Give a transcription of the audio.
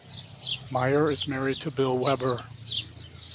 Meyer is married to Bill Weber.